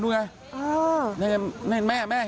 แม่เห็นไหม